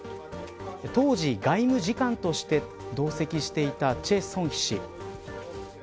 当時、外務次官として同席していた崔善姫氏。